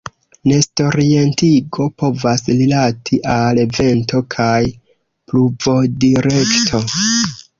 Nestorientigo povas rilati al vento kaj pluvodirekto.